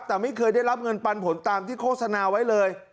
แต่ไม่เคยได้รับเงินปันผลตามที่โฆษณาไว้เลย